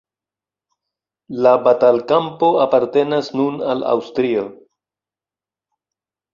La batalkampo apartenas nun al Aŭstrio.